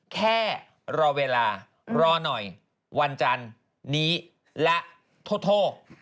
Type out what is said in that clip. แค่รอเวลารอหน่อยวันจันนี้และโทษ